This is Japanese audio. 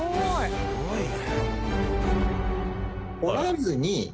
すごいね。